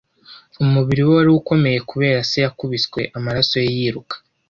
Umubiri we wari ukomeye kubera se yakubiswe, amaraso ye yiruka.